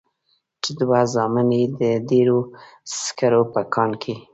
چې دوه زامن يې د ډبرو سکرو په کان کې.